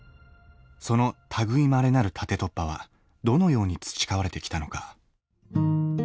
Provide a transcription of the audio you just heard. その類いまれなる縦突破はどのように培われてきたのか。